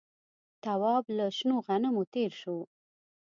تواب له شنو غنمو تېر شو.